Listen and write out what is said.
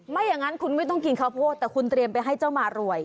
ไม่อย่างนั้นคุณไม่ต้องกินข้าวโพดแต่คุณเตรียมไปให้เจ้ามารวย